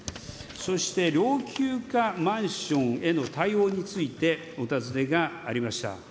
そして老朽化マンションへの対応についてお尋ねがありました。